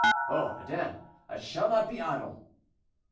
"Oh, madame, I shall not be idle."